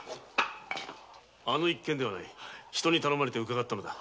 あの一件ではない人に頼まれて伺ったのだ。